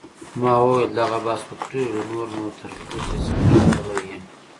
ما وویل: دغه بحث به پرېږدو، نور نو تر پزې ځیني راغلی یم.